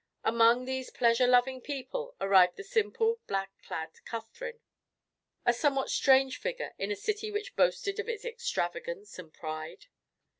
Among these pleasure loving people arrived the simple black clad Catherine, a somewhat strange figure in a city which boasted of its extravagance and pride.